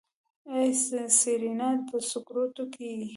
ای سېرېنا په سکروټو يې.